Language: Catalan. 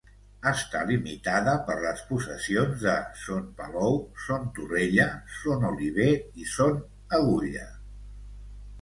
Està limitada per les possessions de Son Palou, Son Torrella, Son Oliver i Son Agulla.